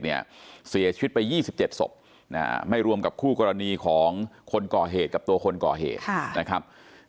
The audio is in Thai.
เสียชีวิตไป๒๗ศพไม่รวมกับคู่กรณีของคนก่อเหตุกับตัวคนก่อเหตุนะครับ